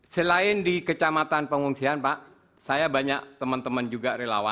selain di kecamatan pengungsian pak saya banyak teman teman juga relawan